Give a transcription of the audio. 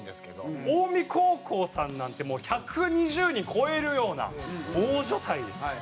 近江高校さんなんてもう１２０人超えるような大所帯ですから。